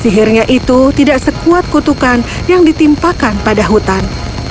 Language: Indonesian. sihirnya itu tidak sekuat kutukan yang ditimpakan pada hutan